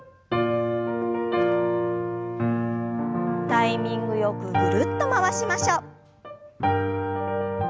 タイミングよくぐるっと回しましょう。